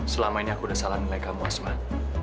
selama ini aku udah salah nilai kamu asman